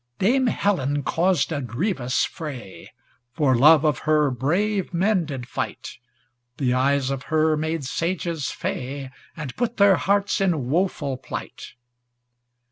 Dame Helen caused a grievous fray, For love of her brave men did fight, The eyes of her made sages fey And put their hearts in woeful plight.